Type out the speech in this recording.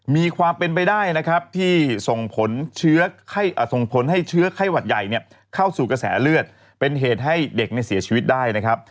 มีความเป็นไปได้นะครับที่ส่งผลส่งผลให้เชื้อไข้หวัดใหญ่เข้าสู่กระแสเลือดเป็นเหตุให้เด็กเสียชีวิตได้นะครับ